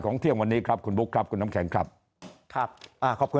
เที่ยงวันนี้ครับคุณบุ๊คครับคุณน้ำแข็งครับครับอ่าขอบคุณ